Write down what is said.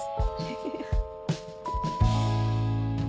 フフフ。